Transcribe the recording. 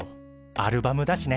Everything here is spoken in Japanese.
アルバムだしね。